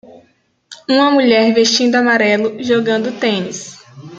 uma mulher vestindo amarelo jogando tênis